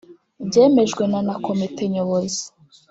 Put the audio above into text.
byemejwe na na Komite Nyobozi